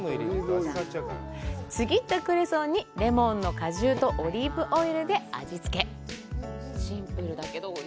ちぎったクレソンにレモンの果汁とオリーブオイルで味付け。